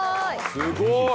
すごい！